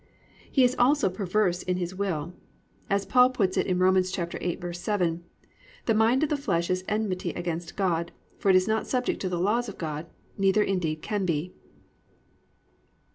He is also perverse in his will, as Paul puts it in Rom. 8:7, +"The mind of the flesh is enmity against God; for it is not subject to the law of God, neither indeed can be."